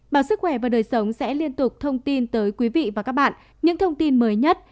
báo sức khỏe và đời sống sẽ liên tục thông tin tới quý vị và các bạn những thông tin mới nhất